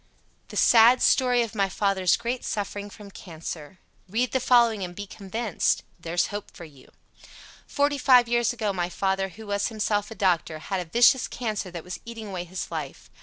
] THE SAD STORY OF MY FATHER'S GREAT SUFFERING FROM CANCER Read the following and be convinced. There's hope for you. Forty five years ago my father, who was himself a doctor, had a vicious cancer that was eating away his life.